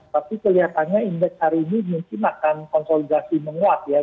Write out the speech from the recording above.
tapi kelihatannya indeks hari ini mungkin akan konsolidasi menguat ya